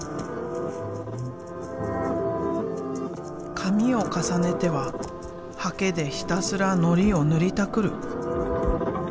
紙を重ねては刷毛でひたすらのりを塗りたくる。